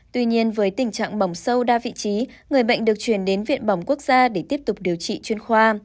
tuy nhiên với tình trạng bỏng sâu đa vị trí người bệnh được chuyển đến viện bỏng quốc gia để tiếp tục điều trị chuyên khoa